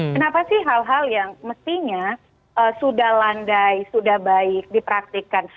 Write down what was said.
kenapa sih hal hal yang mestinya sudah landai sudah baik dipraktikan